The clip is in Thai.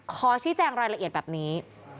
ขอชี้แจงรายละเอียดแบบนี้